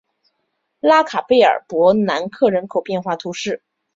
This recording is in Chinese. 拉卡佩尔博南克人口变化图示